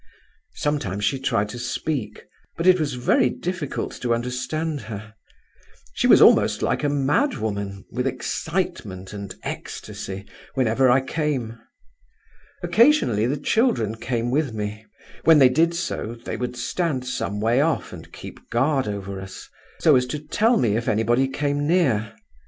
Sometimes she tried to speak; but it was very difficult to understand her. She was almost like a madwoman, with excitement and ecstasy, whenever I came. Occasionally the children came with me; when they did so, they would stand some way off and keep guard over us, so as to tell me if anybody came near.